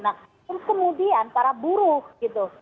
nah terus kemudian para buruh gitu